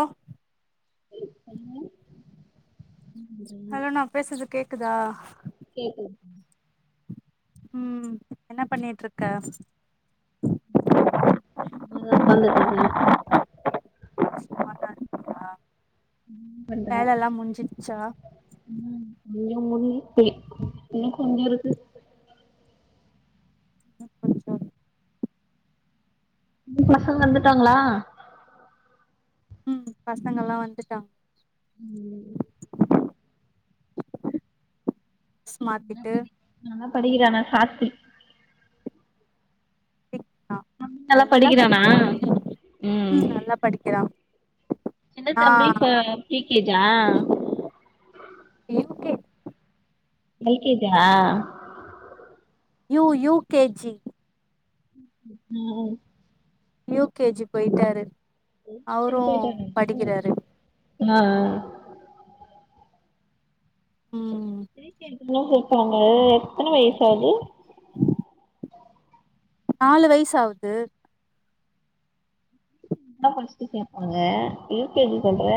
ஒ சொல்லுங்க ம் ஹலோ நா பேசது கேக்குதா? கேக்குது ம் என்ன பண்ணிட்ருக்க? ம் சும்மாதா உக்காந்துட்ருக்கே சும்மாதா இருக்கியா? என்ன பண்ற வேலல்லாம் முஞ்சிச்சா இங்க [unintelligible] இன்னு கொஞ்சருக்கு இன்னு கொஞ்சொ உங்க பசங்க வந்துட்டாங்ளா? ம் பசங்கல்லா வந்துட்டாங்க ம் ஸ் மாத்திட்டு படிக்கிறாங்க சாத்தி தம்பி [inaudible] நல்லா படிக்கிறானா படிக்கிறா ம் நல்லா படிக்கிறா சின்ன ஆ தம்பி ப pre K G U K L K G U U K G ம் யூ கே ஜி போயிட்டாரு அவரு படிக்கிறாரு நா ம் ப்ரீ கே ஜி [unintelligible] சேப்பாங்க எத்தன வயசாவ்து? [inaudible] நாலு வயசு ஆவ்து இதா ஃபஸ்ட்டு சேப்பாங்க யூ கே ஜி சொல்ற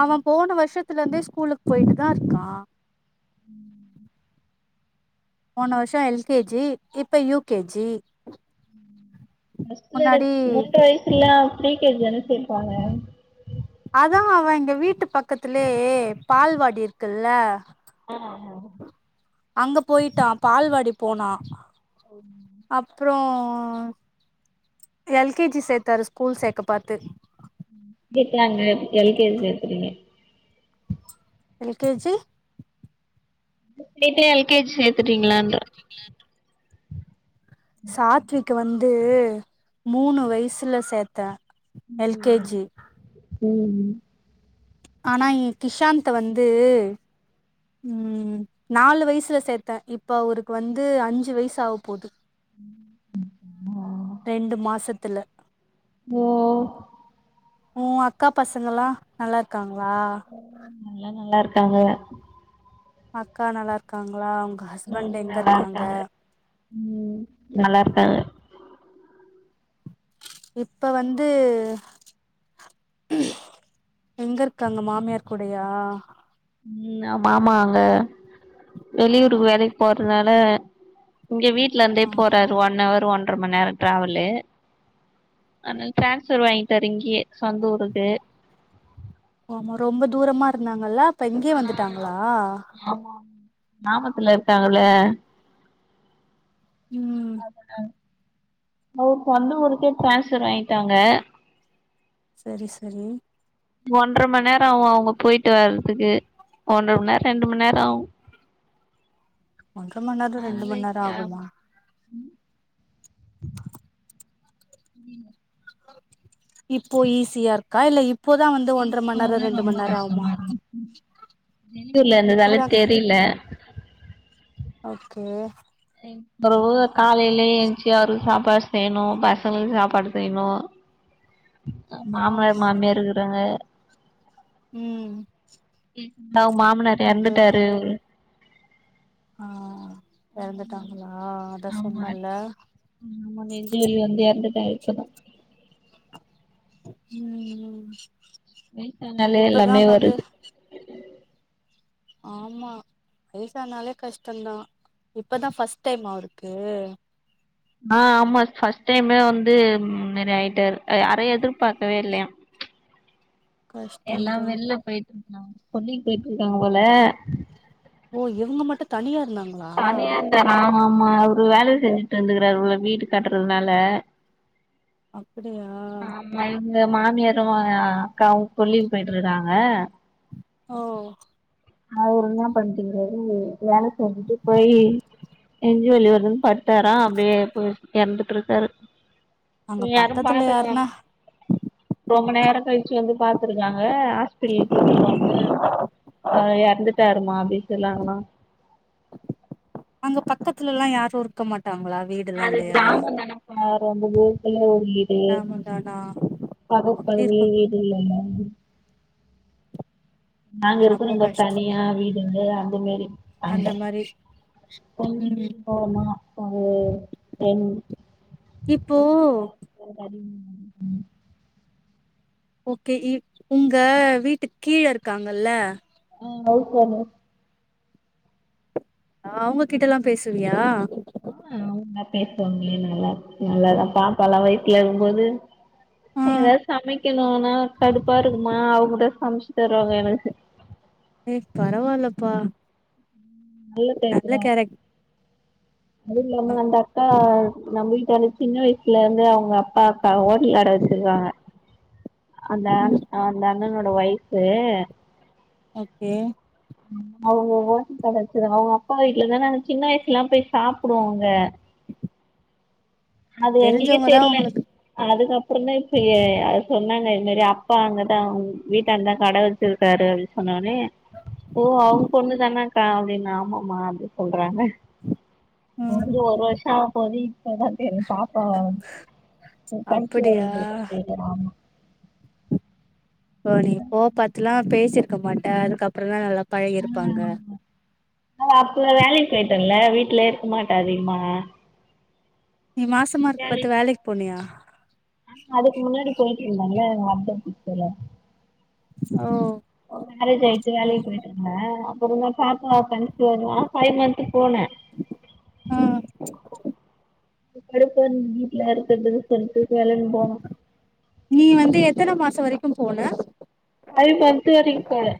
அவ போன வருஷத்துலந்தே ஸ்கூலுக்கு போயிட்டு தா இருக்கா ம் போன வருஷொ எல் கே ஜி இப்ப யூ கே ஜி முன்னாடி [unintelligible] மூன்ற வயசுல ப்ரீ கே ஜி தான சேப்பாங்க அதா அவ எங்க வீட்டு பக்கத்துலே பால்வாடி இருக்குல்ல ஆமா அங்க போய்ட்டா பால்வாடி போனா அப்றோ ஆ எல் கே ஜி சேத்தாரு ஸ்கூல் சேக்க பாத்து கேக்கறாங்க எல் கே ஜி சேக்குறீங்க எல் கே ஜி கேட்டே எல் கே ஜி சேத்துட்டீங்களான்ட்டு சாத்விக்க வந்து மூணு வயசுல சேத்தே எல் கே ம் ஜி ம் ஆனா ஏன் கிஷாந்த வந்து ம் நாலு வயசுல சேத்தே இப்ப அவருக்கு வந்து அஞ்சு வயசு ஆக போகுது ம் [inaudible] ரெண்டு மாசத்துல ஓ ஊ அக்கா பசங்கல்லா நல்லா இருக்காங் ம் எல்லா நல்லாருக் காங்க அக்கா நல்லா இருக்காங்களா? உங்க ம் ஹஸ்பண்ட் எங்க நல்லா இருக்காங்க ம் நல்லா இருக்காங்க இப்ப வந்து எங்க இருக்காங்க மாமியார் கூடயா? ம் ஆ மாமா அங்க வெளியூரு வேலைக்கு போறனால இங்க வீட்ல இருந்தே ஆ போறாரு ஒன் அவர் ஒன் ற மணி நேரோ ட்ராவலு அது ட்ரான்ஸ்ஃபர் வாங்கிட்டாரு இங்கயே சொந்த ஊருக்கு ஆமா ரொம்ப தூரமா இருந்தாங்கல்ல இப்ப இங்கயே வந்துட்டாங்களா? ஆமா கிராமத்துல இருக்காங்கல்ல ம் அதனால அவரு சொந்த ஊருக்கே டிரான்ஸ்ஃபர் வாங்கிட்டாங்க சரி சரி ஒன்ர மணி நேரோ ஆவு அவங்க போயிட்டு வர்றதுக்கு ஒன்றர மணி நேரோ ரெண்டு மணி நேரோ ஆவு ஒன்ர மணி நேரோ ரெண்டு அதனால மணி நேரோ இங்க ஆகுமா? புரியல இப்போ ஈஸியா இருக்கா இல்ல இ இப்பதா ரொம்ப கஷ்டமா இருக்கு ம் வெளியூர்ல இருந்ததால இப்பதா தெரியல ஓகே எங் பெறவு காலைலயே எந்த்ச்சு அவருக்கு சாப்பாடு செய்யணு பசங்களுக்கு சாப்பாடு செய்யணு ஆ மாமனார் ஆமா மாமியார் இருக்கறாங்க ம் ம் ஹும் அவுங் மாமனார் அவங்கல்லா எறந்துட்டாரு பாக்கணு ஆ எறந்துட்டாங்க ஆமா அத் ம் ஆமா நெஞ்சுவலி வந்து எறந்து ட்டாரு இப்பதா ம் ம் வயசானாலே எல்லாமே வருது ஆமா வயசானாலே கஷ்டந்தா இப்பதா ஃபஸ்ட் டைமா அவருக்கு? ஆ ஆமா ஃபஸ்ட் டைமே வந்து ம் இந்த மாரி ஆயிட்டாரு அ யாரு எதிர்பாக்கவே இல்லயா எல்லா கஷ்டந்தா வெள்ல போயிட்ருந் தோ கொல்லிக்கி போயிட்ருக்காங்க போல ஓ இவங்க மட்டு தனியா இருந்தாங் தனியா இருந்தாரா ஆமா அவரு வேல செஞ்சுட்ருந்துருக்கறாரு உள்ள வீடு கட்றதுனால அ ஆமா இவுங்க மாமியார் அவங்க அக்காவு கொல்லிக்கி போயிட்ருக்கறாங்க ஓ அவரு என்னா பண்ட்ருக்கறாரு வேல செஞ்சுட்டு போயி நெஞ்சு வலி வருதுன்னு படுத்தாரா அப்டியே போய் எறந்துட்ருக்காரு அங்க யாரும் பாக்காம பக்கத்துல யாருன்னா போயிட்டாங்கோ ரொ ம்ப நேரோ கழிச்சு வந்து பாத்துருக்காங் க ஆஸ்பித்திரி கூப்ட்டு போனது அவரு எறந்துட்டாருமா அப்டின்னு சொன்னாங்களா த்துல எல்லா யாரு இருக்க மாட் அது கிராமந்தானக்கா ரொம்ப தூரத்துல ஒரு வீடு கிராமந்தானா பக்கத்துல அப்டி இருக்கு வீடு எதுவு இல்லல்ல நாங்க இருக்கறது அப்போ இந்த கஷ்டோ தனியா வீடு இல்ல அந்த மாரி அந்த அங்க மாரி கொஞ்ச ம் தூரோ போனா ஒரு ரெண் இப்போ [inaudible] ஓகே இ உங்க வீட்டுக்கு கீழ இருக்காங்கல்ல எங்க ஹவுஸ் ஓனர் ஆ அவுங்ககிட்ட எல்லா பேசுவியா? ஆ அவுங்க பேசுவாங்களே நல்லா நல்லாதா பாப்பா எல்லா வயித்துல இருக்கும்போது ஆ எதாச்சு சமை க்கணுன்னா கடுப்பா இருக்குமா அவங்கதா சமைச்சு தருவாங்க எனக்கு ஏ பரவால்லப்பா ம் நல்ல டைப்புதா அது இல்லாம அந்த அக்கா நா போய் எனக் சின்ன வயசுல இருந்து அவங்க அப்பா அக்கா ஹோட்டலாடவச்சிருக்காங்க அந்த ம் அன அண்ணனோட ஒய்ஃபு ஓகே அவங்க ஓட்டல் கடைவச்சிருக்காங்க அவங்க அப்பா வீட்டுலதானே நாங்க சின்ன வயசுலா போய் சாப்புடுவோங்க [inaudible] அது நீங்க தெரிஞ்சவங்கதா தெர்ல உங்களுக்கு அதுக்கப் அப்புறதா இப்ப ஏ சொன்னாங்க இது மாரி அப்பா அங்கதா வீட்டாந்த கட வச்சிருக்காரு அப்டின்னு சொன்னா மே ஓ அவு பொண்ணு தனே ஃபேம்லின் ஆமாமா அப்டிபோது ஆமா ம் வந்து ஒரு ம் வருஷோ ஆ போது இப்ப தா எ பாப்பா அப்படியா [unintelligible] போரி போ பத்துலா பேசிருக்க மாட் அ அதுக்கப்பறோ தா நல்லா பழகி ஆ இருப்பாங்க ஆமா அவ அப்புள வேலைக்கு பொய்ட் ல்ல வீட்டுலயே இருக்க மாட்ட அதிகமாலா நீ மாசமா இருக்கு பத் வேலைக் போனியா ஆ அதுக்கு முன்னாடி போயிட்டு இருந்தாங்கள வர்த பிக்கல ஓ மேரேஜ் ஆயிட்டு ஓ வேலைக்கு போய்ட்டு இருந்தா ஒரு லைன் பாப்பா கன்சிவா இருந்தா ஃபைவ் மந்த்து போனே ஆ கடுபா நீ வீத்ல இருக்குது சொல்ட்டு நீ வந்து எத்தன மாசோ வரைக் கு போன ஃபைவ்மந்து வரைக் போனே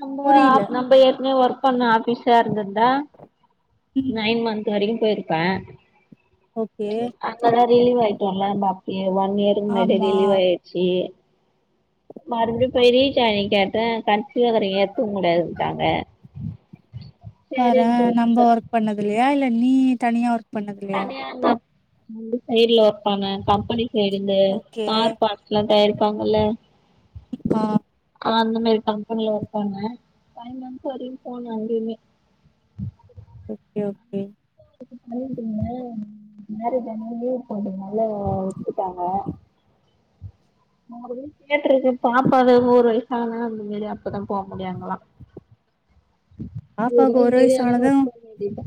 நம்ம புரியல நம்ம ஏற்கனைய ஒர்க் பண்ண ஆஃபிஸா இருந்துந்தா ம் நைன் மந்த் வரைக்கு போயிருப்ப ஓகே அக்கட ரிலீவ் ஆயிட்டோல்ல நா ஒன் இயர் முன்னாடி ஆமா ரிலீவ் ஆய்டுச்சு மருபடி போயி ரீஜாயின்க் கேட்டே கன்சிவக்கறீங்க ஏத்த கூடாதுட்டாங்க வற நம்ப ஒர்க் பண்ணதுலயே வேலனி தனியார் தனியாந்த [unintelligible] சைட்ல ஒர்க் பண்ண கம்பெனி சேரிந்த ஓகே கார் பாட்ஸ்லா தயாரி ப்பாங்கல்ல ஆ ஆ அந்த மாரி கம்பெனில ஒர்க் பண்ணே ஃபை மன்த்ஸ் வரைக்கு போன அங்கயுமே ஓகே ஓகே அடுத்து போயிட்டுர்ந்தே மேரேஜ் ஆன லீவ் போட்டதுனால வுட்டுட்டாங்க ஆல்ரடி கேட்ருக்கு பாப்பாது ஒரு வயசு ஆனா அந்த மாரி அப்பதா போ முடியு அங்கல்லா பாப்பாவுக்கு ஒரு வயசு ஆனது [unintelligible]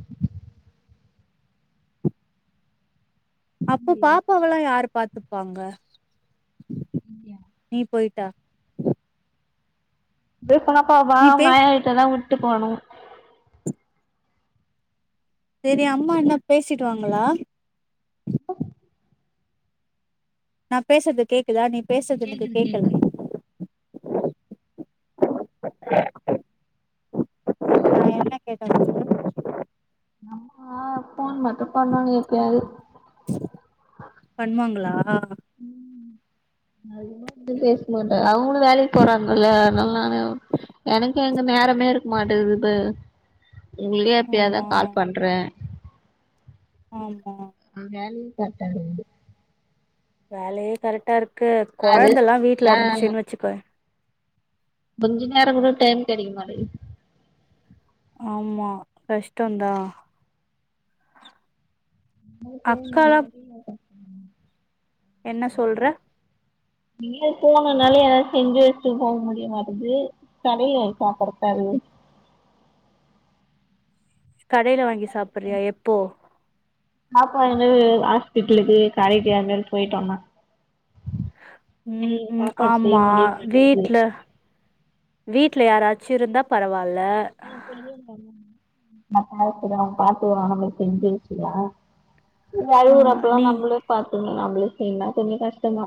அப்பொ பாப்பாவலா யாரு பாத்துப்பாங்க நீ போயி டா [inaudible] பாப்பாவ பே அவுங்க ஆயாகிட்டதா வுட் டு போனு [inaudible] சேரி அம்மா என்ன பேசிடுவாங்களா? நா பேசற்து கேக்குதா நீ பேசது எனக்கு கேக்கல [inaudible] நா ம் என்ன கேட்ட [inaudible] அம்மா ஃபோன் மட்டு பண்ணுவாங்க எப்யாது பண்வாங்களா நா அதிகமா வந்து பேச மாட்டே அவுங்களு வேலைக்கு போறாங்கல்ல அனால நானு எனக்கு எங்க நேரமே இருக்க மாட்டெது இப்ப உங்களுக்கே எப்பயாதா ஆமா கால் பண்றே ஆமா ம் வேலை [unintelligible] ரெண்டு வேலயே கரெக்டா இரு க்கு அது கொழந்தல்லா வீட்ல ஆ இருந்துச்சுன் வச்சுக்க கொஞ்ச நேரங்குட டைம் கெடைக்க மாட்டகி ஆமா கஷ்டொந்தா [unintelligible] என்ன சொல்ற [unintelligible] எதாது செஞ்சு வச்சுட்டு போ முடியமாட்டுது கடைல சாப்பறதாது கடைல வாங்கி சாப்புறியா எப்போ [unintelligible] உம் வெளிய உம் சாப்பாடு செய்ய ஆமா முடிய மாட்டேங்குது வீட்டுல வீடல யாராச்சும் இருந்தா பரவால ஆஹ் பெரிய [unintelligible] [unintelligible] ஆ அழுவுறப்பல்லாம் நீ நம்மளே பாத்துகனும் நம் அவளுக்கு என்ன கொஞ்சம் கஷ்டதா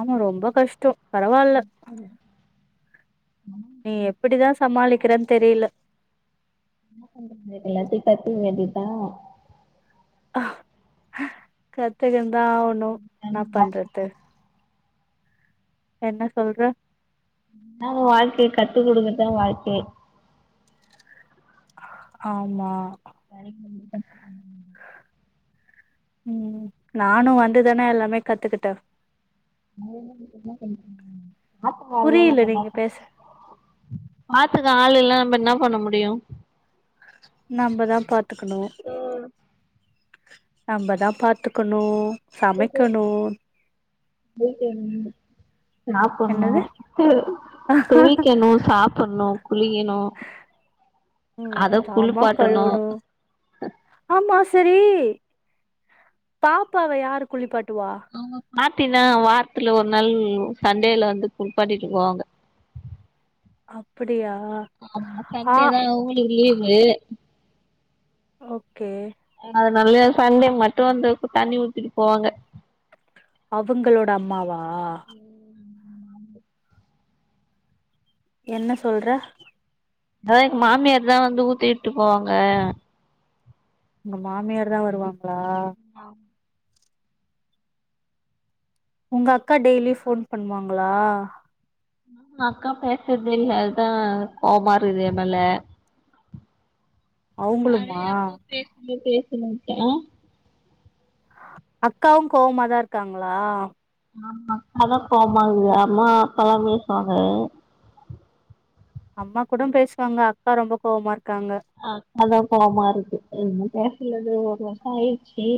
ஆமா ரொம்ப கஷ்டம் பரவாயில்ல நீ எப்படிதான் சமாளிக்கிறன்னு தெரியல என்ன பண்றது எல்லாத்தையும் கத்துக்க வேண்டியது தான் ஆ கத்துக்கனும் நாஒண்ணும் என்னா பண்றது என்ன சொல்ற என்னாங்க வாழ்க்கை கத்து கொடுங்கத்தான் வாழ்க்கை ஆமா ப [unintelligible] உம் நானும் வந்துதானே எல்லாமே கத்துக்குட்டுன் அட்டு அ பாத்துங்க புரியல அ நீங்க பேச பாத்துக்க ஆளு எல்லாம் ந என்ன பண்ண முடியும் நம்மதான் பாத்துக்கணும் நம்மதான் பாத்துக்கணும் சமைக்கணும் உ [unintelligible] என்னது சாப்பிடணும் தவிக்கணும் சாப்பிடணும் குளியணும் ம் அதை ஜாமா குளிப்பாட்டணும் கழுவணு ஆமா சரி பாப்பாவ யாரு குளிப்பட்டு கட்டு வா [unintelligible] மாத்தினா வாரத்துல ஒரு நாள் சண்டேில வந்து குடப்பாட்டிட்டு போவாங்க அப்படி ஆமா சண்டேதான் உங்களுக்கு லீவு ஓகே அது நல்ல சண்டை மட்டும் வந்தக்கு தண்ணி ஊத்தட்டு போவாங்க அவங்களோட அம்மாவா உம் என்ன சொல்ற அதான் மாமியார் தான் வந்து ஊத்தட்டு போவாங்க உங்க மாமியார் தான் வருவாங்க ம் ஆஹ் உங்க அக்கா டெய்லி போன் பண்ணுவாங்களா ஆ அக்கா பேசுறது இல்ல அதுதான் கோவமா இருது என் மேல அ அவங்களுமா அப்போ பேச பேச க்க அக்காவும் கோவமாதான் இருக்காங்களா ஆமா அக்க தான் கோவமாகீதுஅம்மா அப்பல்லாம் பேசுவாங்க அம்மா கூட பேசுவாங்க அக்கா ரொம்ப கோபமா இருக்கு ஆஹ் அதான் கோபமா இருக்கு என் இல்லது ஒரு வர்சம் ஆயிடுச்சு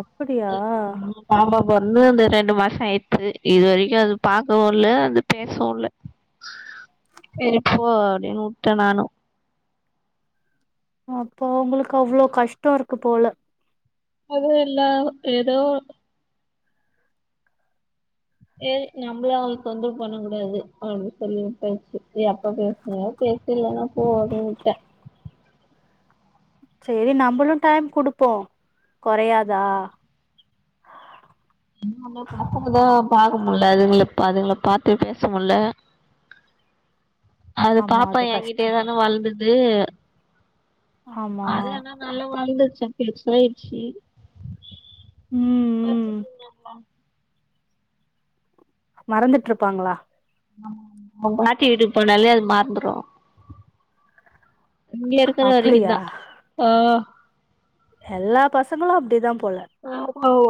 அப்படியா வந்து அந்த ரெண்டு மாசம் ஆயித்து இது வரைக்கும் அது பாக்கவும் இல் அது பேசவும்ல்ல சரிப்போ அப்படின்னு விட்டேன் நானும் அப்போ அவங்களுக்கு அவ்வளோ கஷ்டம் இருக்கு போல அதுவும் எல்லாம் ஏதோ ஏய் நம்மள அவளுக்கு தொந்தர பண்ண கூடாது அப்படி சொல்லி விட்டாச்சு ஏ அப்பா பேசின பேசலன்னா போ விட்டேன் சரி நம்மளும் டைம் குடுப்போம் கொறையாதா அந்த பசங்கதா பாக்க முல்ல அதுங்கள அதுங்கள பாத்து பேச முல்ல அது ஆமா பாப்பா என்கிட்டே கஷ்டோ தானே வளந்து அது [unintelligible] ஆமா அது என்ன நல்லா வளந்துச்சு பெருசாயிச்சி ம் ம் பாத்துக்கங்க அக்கா மறந்துட்டு இருப்பாங்களா பாட்டி வீட்டுக்கு போனாலே அது மறந்துரும் இங்க இருக்கிற வரைக்கும் அப்படியா தா ஆஹ எல்லா பசங்களும் அப்டிதா போல அவ்